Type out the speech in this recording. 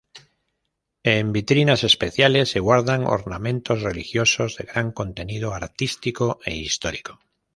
En vitrinas especiales se guardan ornamentos religiosos de gran contenido artístico e histórico.